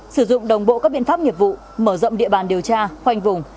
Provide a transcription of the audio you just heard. sử dụng đồng bộ các biện pháp nghiệp vụ mở rộng địa bàn điều tra khoanh vùng